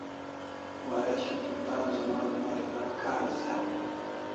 Waresho tu tan zubanan record karis e?